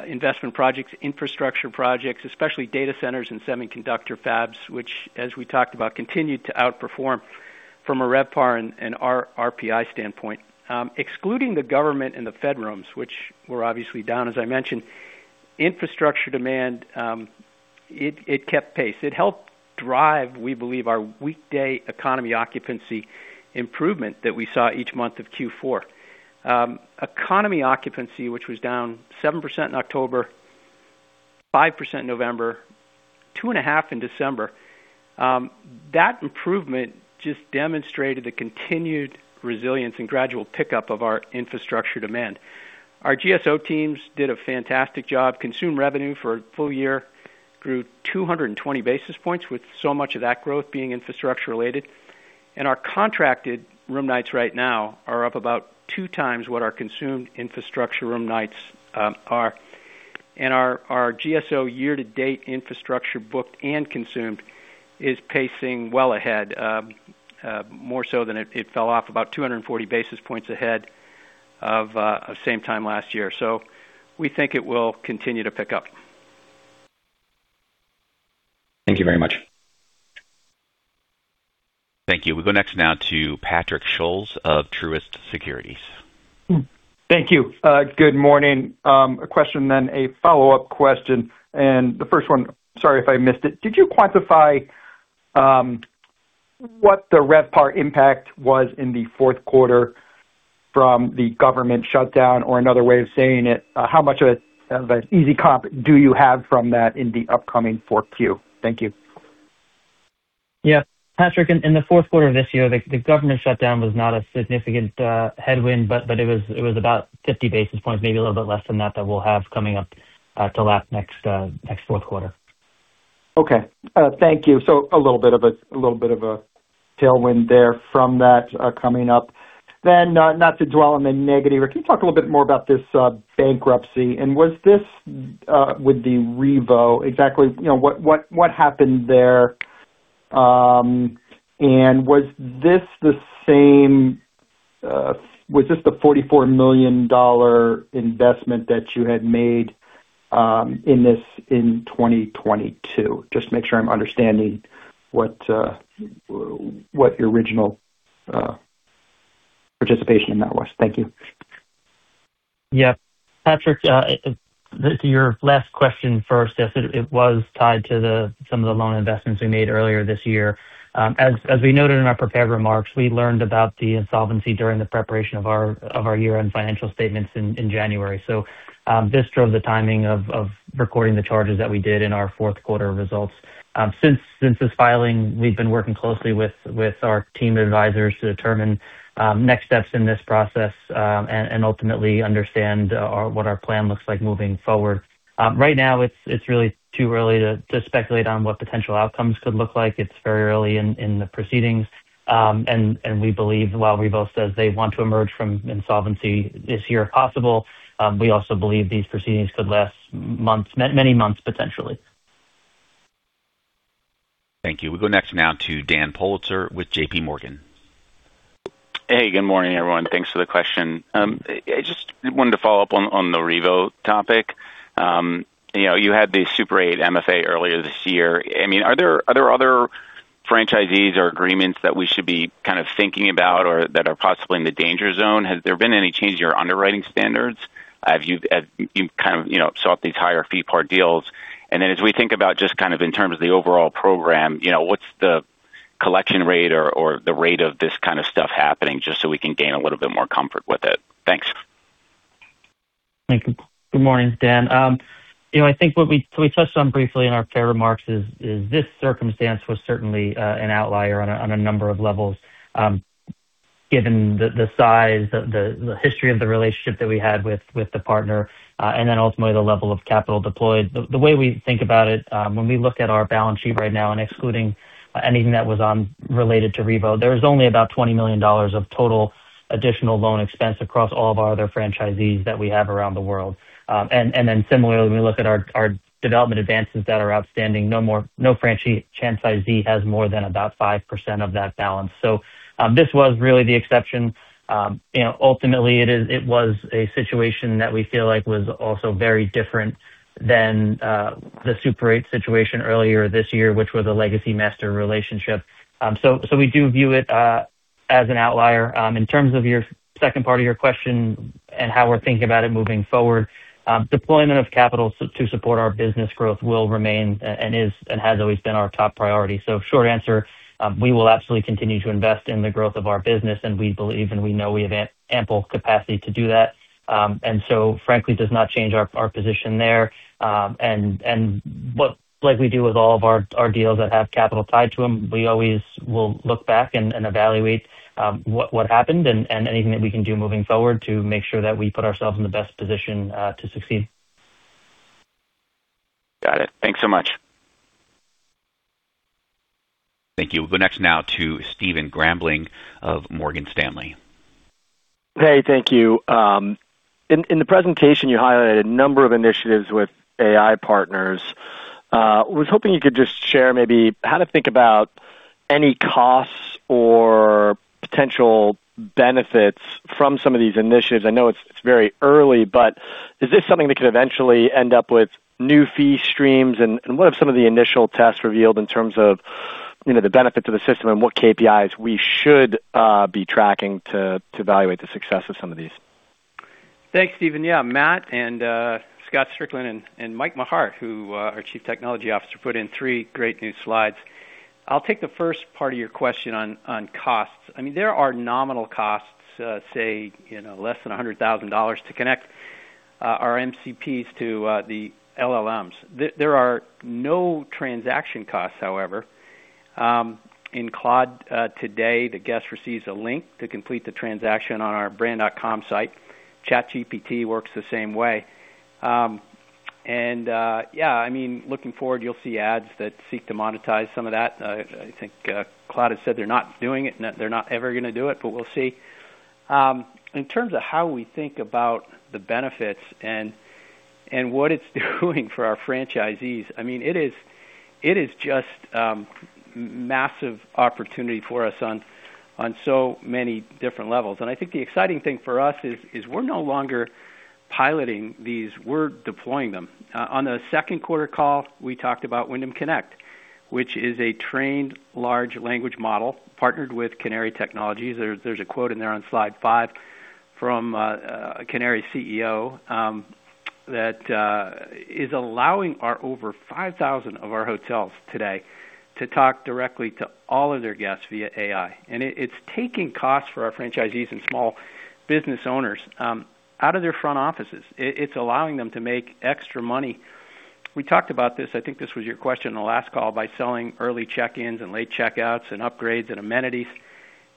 investment projects, infrastructure projects, especially data centers and semiconductor fabs, which, as we talked about, continued to outperform from a RevPAR and RPI standpoint. Excluding the government and the fed rooms, which were obviously down, as I mentioned, infrastructure demand kept pace. It helped drive, we believe, our weekday economy occupancy improvement that we saw each month of Q4. Economy occupancy, which was down 7% in October, 5% in November, 2.5% in December, that improvement just demonstrated the continued resilience and gradual pickup of our infrastructure demand. Our GSO teams did a fantastic job. Consumed revenue for a full year grew 220 basis points, with so much of that growth being infrastructure related. Our contracted room nights right now are up about 2 times what our consumed infrastructure room nights are. Our GSO year to date infrastructure, booked and consumed, is pacing well ahead, more so than it fell off about 240 basis points ahead of same time last year. So we think it will continue to pick up. Thank you very much. Thank you. We go next now to Patrick Scholes of Truist Securities. Thank you. Good morning. A question, then a follow-up question. The first one, sorry if I missed it, did you quantify what the RevPAR impact was in the fourth quarter from the government shutdown? Or another way of saying it, how much of an easy comp do you have from that in the upcoming Q4? Thank you. Yeah. Patrick, in the Q4 of this year, the government shutdown was not a significant headwind, but it was about 50 basis points, maybe a little bit less than that, that we'll have coming up to last next fourth quarter. Okay. Thank you. So a little bit of a, little bit of a tailwind there from that, coming up. Then, not to dwell on the negative, can you talk a little bit more about this, bankruptcy? And was this, with the Revo exactly? You know, what, what, what happened there? And was this the same, was this the $44 million investment that you had made, in this in 2022? Just to make sure I'm understanding what, what your original, participation in that was. Thank you. Yeah. Patrick, to your last question first, yes, it was tied to some of the loan investments we made earlier this year. As we noted in our prepared remarks, we learned about the insolvency during the preparation of our year-end financial statements in January. So, this drove the timing of recording the charges that we did in our fourth quarter results. Since this filing, we've been working closely with our team of advisors to determine next steps in this process, and ultimately understand what our plan looks like moving forward. Right now, it's really too early to speculate on what potential outcomes could look like. It's very early in the proceedings. We believe, while Revo says they want to emerge from insolvency this year, if possible, we also believe these proceedings could last months, many months, potentially. Thank you. We go next now to Dan Politzer with JPMorgan. Hey, good morning, everyone. Thanks for the question. I just wanted to follow up on the Revo topic. You know, you had the Super 8 MFA earlier this year. I mean, are there other franchisees or agreements that we should be kind of thinking about or that are possibly in the danger zone? Has there been any change in your underwriting standards as you've kind of, you know, sought these higher FeePAR deals? And then as we think about just kind of in terms of the overall program, you know, what's the collection rate or the rate of this kind of stuff happening, just so we can gain a little bit more comfort with it? Thanks. Thank you. Good morning, Dan. You know, I think what we, we touched on briefly in our prepared remarks is, is this circumstance was certainly an outlier on a, on a number of levels, given the, the size, the, the history of the relationship that we had with, with the partner, and then ultimately the level of capital deployed. The, the way we think about it, when we look at our balance sheet right now and excluding anything that was on related to Revo, there was only about $20 million of total additional loan expense across all of our other franchisees that we have around the world. And, and then similarly, when we look at our, our development advances that are outstanding, no franchisee has more than about 5% of that balance. So, this was really the exception. You know, ultimately, it is - it was a situation that we feel like was also very different than the Super 8 situation earlier this year, which was a legacy master relationship. So we do view it as an outlier. In terms of your second part of your question and how we're thinking about it moving forward, deployment of capital to support our business growth will remain, and is, and has always been our top priority. So short answer, we will absolutely continue to invest in the growth of our business, and we believe, and we know we have ample capacity to do that. And so frankly, does not change our position there. And what, like we do with all of our deals that have capital tied to them, we always will look back and evaluate what happened and anything that we can do moving forward to make sure that we put ourselves in the best position to succeed. Got it. Thanks so much. Thank you. We'll go next now to Stephen Grambling of Morgan Stanley. Hey, thank you. In the presentation, you highlighted a number of initiatives with AI partners. Was hoping you could just share maybe how to think about any costs or potential benefits from some of these initiatives. I know it's very early, but is this something that could eventually end up with new fee streams? And what have some of the initial tests revealed in terms of, you know, the benefits of the system and what KPIs we should be tracking to evaluate the success of some of these? Thanks, Steven. Yeah, Matt and Scott Strickland and Mike Mahart, who, our Chief Technology Officer, put in 3 great new slides. I'll take the first part of your question on costs. I mean, there are nominal costs, say, you know, less than $100,000 to connect our MCPs to the LLMs. There are no transaction costs, however. In Claude, today, the guest receives a link to complete the transaction on our brand.com site. ChatGPT works the same way. And yeah, I mean, looking forward, you'll see ads that seek to monetize some of that. I think Claude has said they're not doing it, and that they're not ever gonna do it, but we'll see. In terms of how we think about the benefits and what it's doing for our franchisees, I mean, it is just massive opportunity for us on so many different levels. I think the exciting thing for us is we're no longer piloting these, we're deploying them. On the second quarter call, we talked about Wyndham Connect, which is a trained large language model partnered with Canary Technologies. There's a quote in there on Slide 5 from Canary's CEO that is allowing our over 5,000 of our hotels today to talk directly to all of their guests via AI. And it's taking costs for our franchisees and small business owners out of their front offices. It's allowing them to make extra money. We talked about this, I think this was your question on the last call, by selling early check-ins and late check-outs and upgrades and amenities,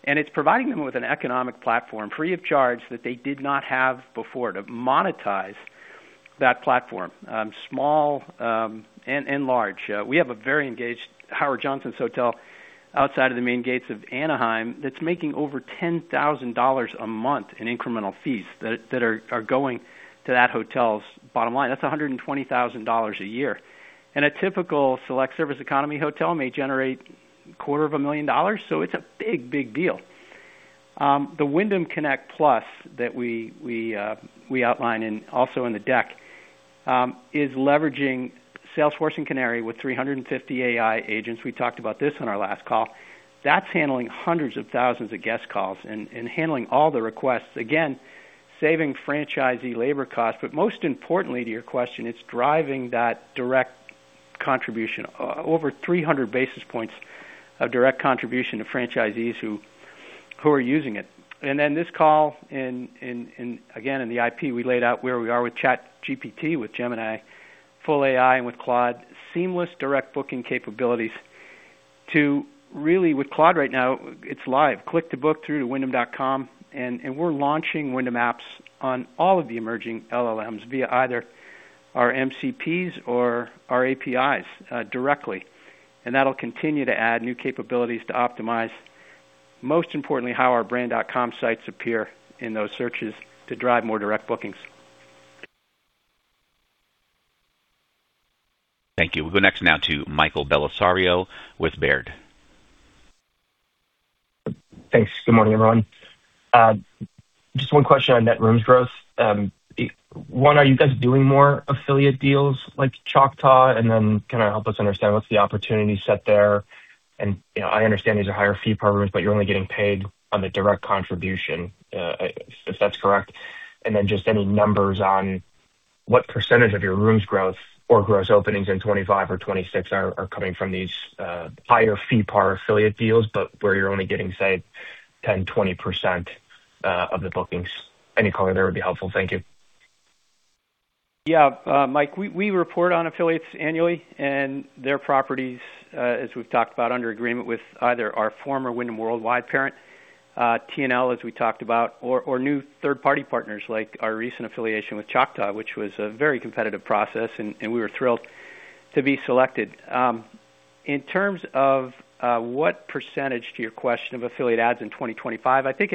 and it's providing them with an economic platform free of charge that they did not have before to monetize that platform, small, and large. We have a very engaged Howard Johnson's hotel outside of the main gates of Anaheim that's making over $10,000 a month in incremental fees that are going to that hotel's bottom line. That's $120,000 a year. And a typical select service economy hotel may generate $250,000, so it's a big, big deal. The Wyndham Connect Plus that we outline in, also in the deck, is leveraging Salesforce and Canary with 350 AI agents. We talked about this on our last call. That's handling hundreds of thousands of guest calls and handling all the requests, again, saving franchisee labor costs. But most importantly to your question, it's driving that direct contribution, over 300 basis points of direct contribution to franchisees who are using it. And then this call, in the IP, we laid out where we are with ChatGPT, with Gemini, full AI, and with Claude, seamless direct booking capabilities to really with Claude right now, it's live. Click to book through to Wyndham.com, and we're launching Wyndham apps on all of the emerging LLMs via either our MCPs or our APIs, directly. And that'll continue to add new capabilities to optimize, most importantly, how our brand.com sites appear in those searches to drive more direct bookings. Thank you. We'll go next now to Michael Bellisario with Baird. Thanks. Good morning, everyone. Just one question on net room growth. One, are you guys doing more affiliate deals like Choctaw? And then can I help us understand what's the opportunity set there? And, you know, I understand these are higher fee programs, but you're only getting paid on the direct contribution, if that's correct. And then just any numbers on... What percentage of your rooms growth or gross openings in 2025 or 2026 are coming from these, higher FeePAR affiliate deals, but where you're only getting, say, 10%, 20% of the bookings? Any color there would be helpful. Thank you. Yeah. Mike, we, we report on affiliates annually and their properties, as we've talked about under agreement with either our former Wyndham Worldwide parent, T&L, as we talked about, or new third-party partners, like our recent affiliation with Choctaw, which was a very competitive process, and we were thrilled to be selected. In terms of what percentage, to your question, of affiliate ads in 2025, I think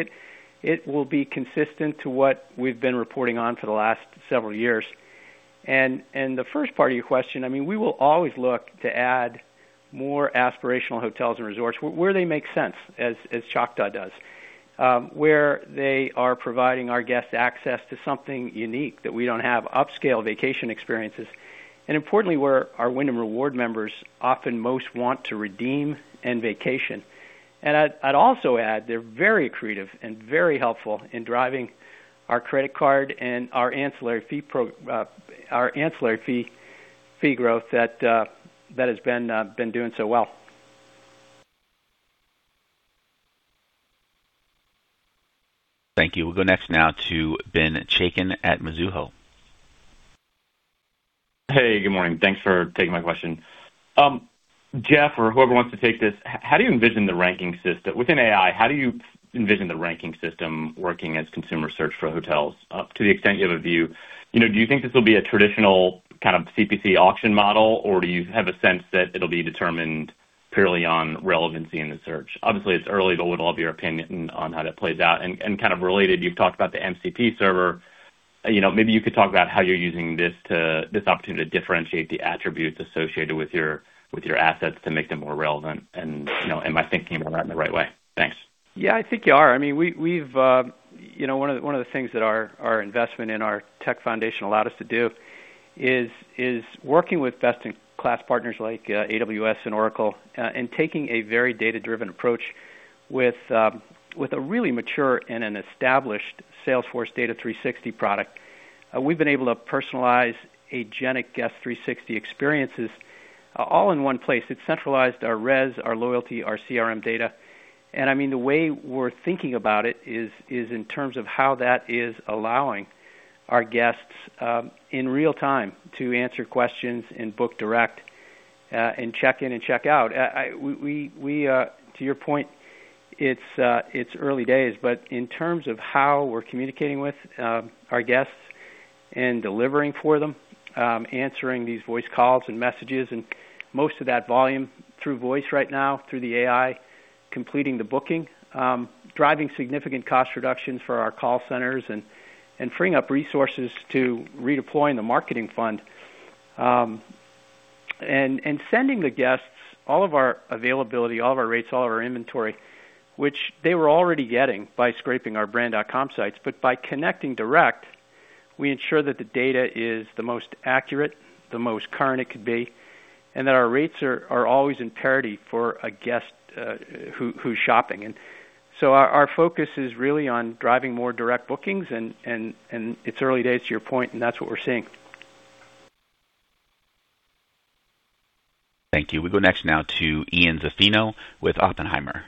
it will be consistent to what we've been reporting on for the last several years. And the first part of your question, I mean, we will always look to add more aspirational hotels and resorts where they make sense, as Choctaw does. Where they are providing our guests access to something unique that we don't have, upscale vacation experiences, and importantly, where our Wyndham Rewards members often most want to redeem and vacation. And I'd also add they're very creative and very helpful in driving our credit card and our ancillary fee growth that has been doing so well. Thank you. We'll go next now to Ben Chaiken at Mizuho. Hey, good morning. Thanks for taking my question. Geoff, or whoever wants to take this: How do you envision the ranking system... Within AI, how do you envision the ranking system working as consumer search for hotels, to the extent you have a view? You know, do you think this will be a traditional kind of CPC auction model, or do you have a sense that it'll be determined purely on relevancy in the search? Obviously, it's early to wiggle up your opinion on how that plays out. And kind of related, you've talked about the MCP server. You know, maybe you could talk about how you're using this to this opportunity to differentiate the attributes associated with your, with your assets to make them more relevant, and, you know, am I thinking about that in the right way? Thanks. Yeah, I think you are. I mean, we've, we've, you know, one of the things that our investment in our tech foundation allowed us to do is working with best-in-class partners like AWS and Oracle, and taking a very data-driven approach with, you know, with a really mature and an established Salesforce Guest360 product. We've been able to personalize agentic Guest360 experiences, all in one place. It's centralized our res, our loyalty, our CRM data, and, I mean, the way we're thinking about it is in terms of how that is allowing our guests, you know, in real time to answer questions and book direct, and check in and check out. I... To your point, it's early days, but in terms of how we're communicating with our guests and delivering for them, answering these voice calls and messages, and most of that volume through voice right now, through the AI, completing the booking, driving significant cost reductions for our call centers and freeing up resources to redeploying the marketing fund. And sending the guests all of our availability, all of our rates, all of our inventory, which they were already getting by scraping our brand.com sites, but by connecting direct, we ensure that the data is the most accurate, the most current it could be, and that our rates are always in parity for a guest who’s shopping. So our focus is really on driving more direct bookings, and it's early days, to your point, and that's what we're seeing. Thank you. We go next now to Ian Zaffino with Oppenheimer.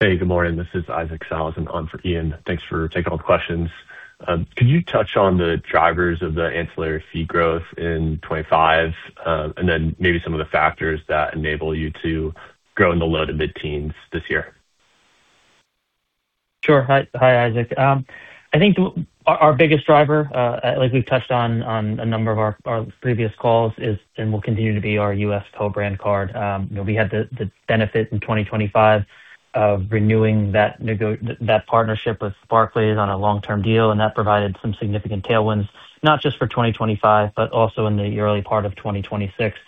Hey, good morning. This is Isaac Salas, in on for Ian. Thanks for taking all the questions. Could you touch on the drivers of the ancillary fee growth in 2025? And then maybe some of the factors that enable you to grow in the low- to mid-teens this year. Sure. Hi, hi, Isaac. I think our biggest driver, like we've touched on, on a number of our previous calls, is and will continue to be our U.S. co-brand card. You know, we had the benefit in 2025 of renewing that partnership with Barclays on a long-term deal, and that provided some significant tailwinds, not just for 2025, but also in the early part of 2026.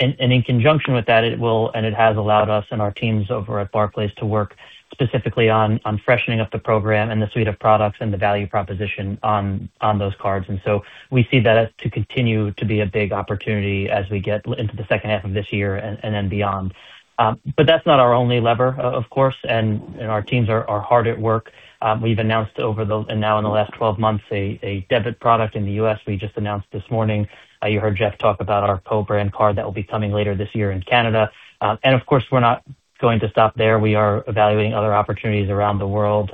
And in conjunction with that, it will, and it has allowed us and our teams over at Barclays to work specifically on freshening up the program and the suite of products and the value proposition on those cards. And so we see that as to continue to be a big opportunity as we get into the second half of this year and then beyond. But that's not our only lever, of course, and our teams are hard at work. We've announced over the last 12 months a debit product in the U.S. we just announced this morning. You heard Geoff talk about our co-brand card that will be coming later this year in Canada. And, of course, we're not going to stop there. We are evaluating other opportunities around the world,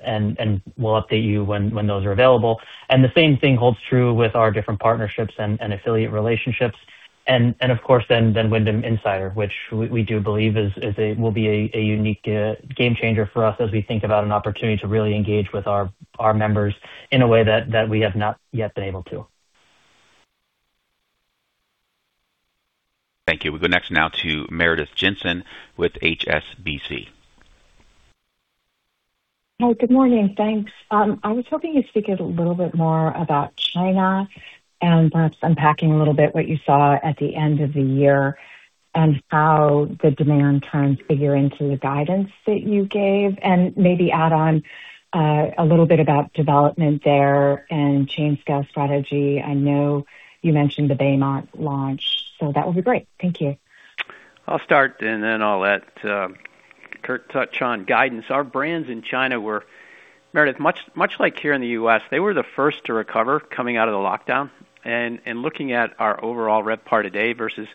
and we'll update you when those are available. The same thing holds true with our different partnerships and affiliate relationships, and of course, then Wyndham Insider, which we do believe is a unique game changer for us as we think about an opportunity to really engage with our members in a way that we have not yet been able to. Thank you. We go next now to Meredith Jensen with HSBC. Hi, good morning. Thanks. I was hoping you'd speak a little bit more about China, and perhaps unpacking a little bit what you saw at the end of the year and how the demand trends figure into the guidance that you gave, and maybe add on, a little bit about development there and chain scale strategy. I know you mentioned the Baymont launch, so that would be great. Thank you. I'll start, and then I'll let Kurt touch on guidance. Our brands in China were, Meredith, much, much like here in the U.S., they were the first to recover coming out of the lockdown. And looking at our overall RevPAR today versus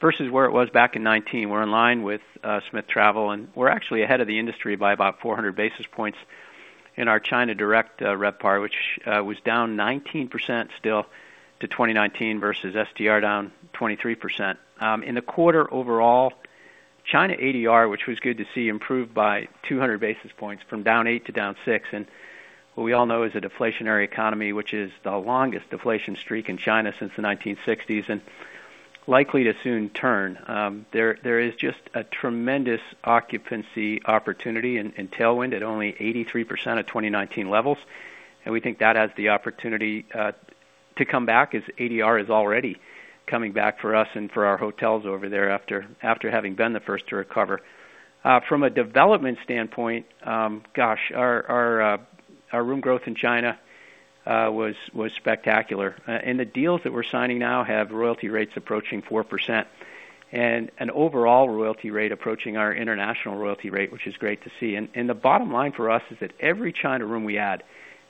where it was back in 2019, we're in line with Smith Travel, and we're actually ahead of the industry by about 400 basis points in our China direct RevPAR, which was down 19% still to 2019 versus STR down 23%. In the quarter overall, China ADR, which was good to see, improved by 200 basis points from down 8% to down 6%, and what we all know is a deflationary economy, which is the longest deflation streak in China since the 1960s and likely to soon turn. There is just a tremendous occupancy opportunity and tailwind at only 83% of 2019 levels, and we think that has the opportunity to come back, as ADR is already coming back for us and for our hotels over there, after having been the first to recover. From a development standpoint, gosh, our room growth in China was spectacular. And the deals that we're signing now have royalty rates approaching 4% and an overall royalty rate approaching our international royalty rate, which is great to see. And the bottom line for us is that every China room we add,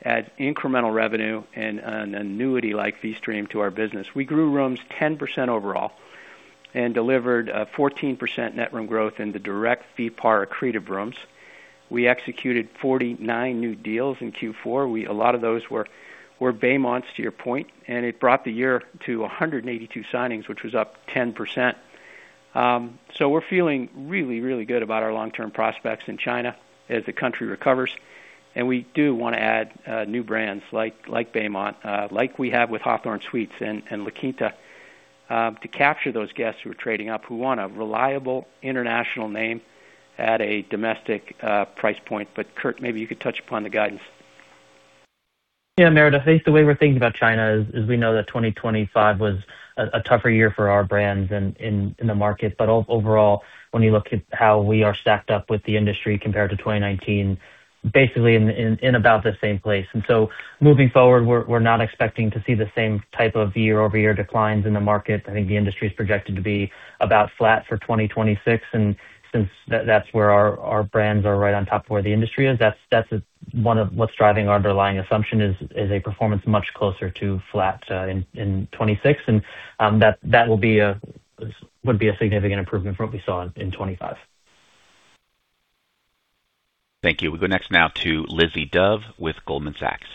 adds incremental revenue and an annuity-like fee stream to our business. We grew rooms 10% overall and delivered a 14% net room growth in the direct FeePAR accretive rooms. We executed 49 new deals in Q4. A lot of those were Baymonts, to your point, and it brought the year to 182 signings, which was up 10%. So we're feeling really, really good about our long-term prospects in China as the country recovers. We do wanna add new brands like Baymont, like we have with Hawthorn Suites and La Quinta, to capture those guests who are trading up, who want a reliable international name at a domestic price point. But Kurt, maybe you could touch upon the guidance. Yeah, Meredith, I think the way we're thinking about China is we know that 2025 was a tougher year for our brands in the market. But overall, when you look at how we are stacked up with the industry compared to 2019, basically in about the same place. And so moving forward, we're not expecting to see the same type of year-over-year declines in the market. I think the industry is projected to be about flat for 2026, and since that's where our brands are right on top of where the industry is, that's one of what's driving our underlying assumption, is a performance much closer to flat in 2026. And that would be a significant improvement from what we saw in 2025. Thank you. We go next now to Lizzie Dove with Goldman Sachs.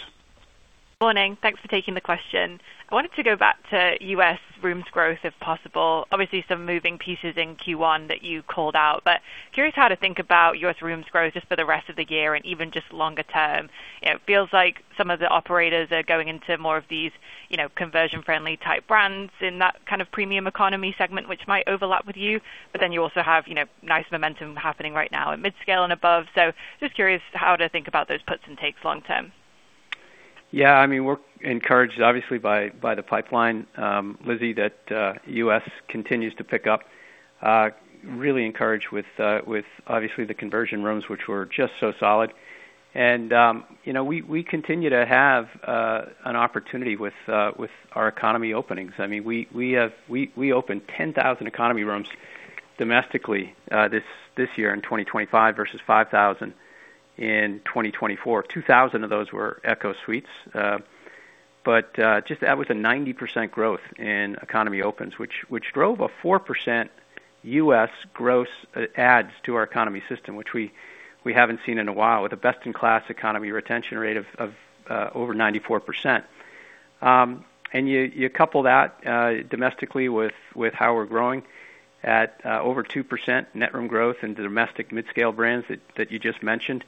Morning. Thanks for taking the question. I wanted to go back to U.S. rooms growth, if possible. Obviously, some moving pieces in Q1 that you called out, but curious how to think about U.S. rooms growth just for the rest of the year and even just longer term. It feels like some of the operators are going into more of these, you know, conversion-friendly type brands in that kind of premium economy segment, which might overlap with you. But then you also have, you know, nice momentum happening right now at midscale and above. So just curious how to think about those puts and takes long term. Yeah, I mean, we're encouraged obviously by the pipeline, Lizzie, that U.S. continues to pick up. Really encouraged with obviously the conversion rooms, which were just so solid. And you know, we continue to have an opportunity with our economy openings. I mean, we opened 10,000 economy rooms domestically this year in 2025 versus 5,000 in 2024. 2,000 of those were ECHO Suites. But just that was a 90% growth in economy opens, which drove a 4% U.S. gross adds to our economy system, which we haven't seen in a while, with a best-in-class economy retention rate of over 94%. You couple that domestically with how we're growing at over 2% net room growth in the domestic midscale brands that you just mentioned.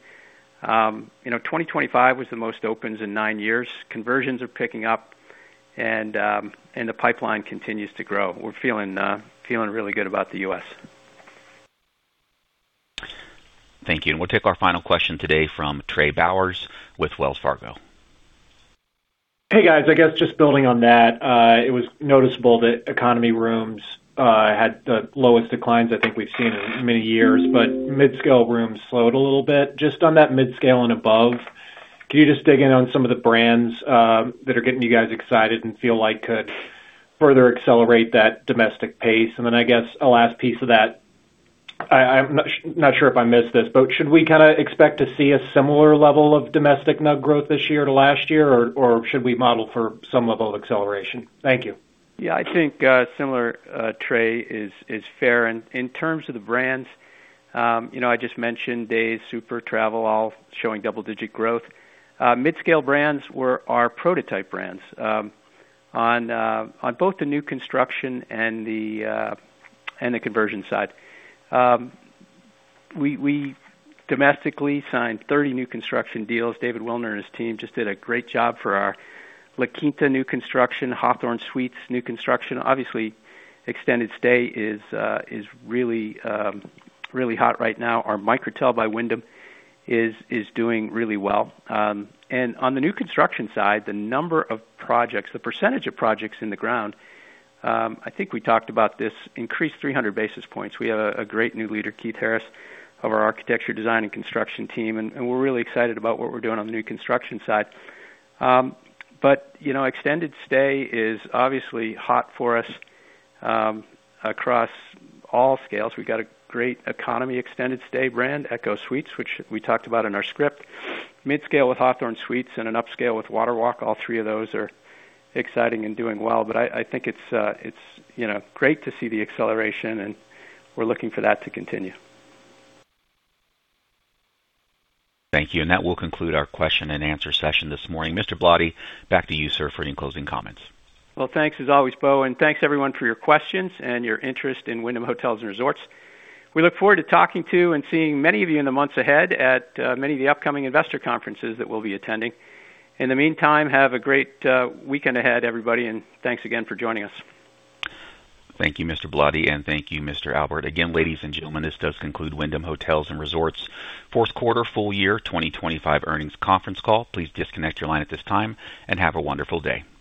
You know, 2025 was the most opens in nine years. Conversions are picking up, and the pipeline continues to grow. We're feeling really good about the U.S. Thank you. We'll take our final question today from Trey Bowers with Wells Fargo. Hey, guys. I guess just building on that, it was noticeable that economy rooms had the lowest declines I think we've seen in many years, but midscale rooms slowed a little bit. Just on that midscale and above, can you just dig in on some of the brands that are getting you guys excited and feel like could further accelerate that domestic pace? And then I guess a last piece of that, I'm not sure if I missed this, but should we kinda expect to see a similar level of domestic NUG growth this year to last year, or should we model for some level of acceleration? Thank you. Yeah, I think, similar, Trey, is fair. And in terms of the brands, you know, I just mentioned Days, Super, Travelodge showing double-digit growth. Midscale brands were our prototype brands, on both the new construction and the conversion side. We domestically signed 30 new construction deals. David Wilner and his team just did a great job for our La Quinta new construction, Hawthorn Suites new construction. Obviously, extended stay is really hot right now. Our Microtel by Wyndham is doing really well. And on the new construction side, the number of projects, the percentage of projects in the ground, I think we talked about this, increased 300 basis points. We have a great new leader, Keith Harris, of our architecture, design, and construction team, and we're really excited about what we're doing on the new construction side. But, you know, extended stay is obviously hot for us, across all scales. We've got a great economy extended stay brand, ECHO Suites, which we talked about in our script. Midscale with Hawthorn Suites and an upscale with WaterWalk. All three of those are exciting and doing well, but I think it's, you know, great to see the acceleration, and we're looking for that to continue. Thank you. That will conclude our question and answer session this morning. Mr. Ballotti, back to you, sir, for any closing comments. Well, thanks as always, Bo, and thanks, everyone, for your questions and your interest in Wyndham Hotels and Resorts. We look forward to talking to and seeing many of you in the months ahead at many of the upcoming investor conferences that we'll be attending. In the meantime, have a great weekend ahead, everybody, and thanks again for joining us. Thank you, Mr. Ballotti, and thank you, Mr. Albert. Again, ladies and gentlemen, this does conclude Wyndham Hotels & Resorts' fourth quarter full year 2025 earnings conference call. Please disconnect your line at this time and have a wonderful day. Goodbye.